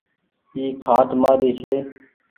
اي کآٽ مآري ڇي